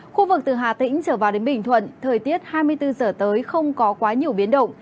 khu vực từ hà tĩnh trở vào đến bình thuận thời tiết hai mươi bốn giờ tới không có quá nhiều biến động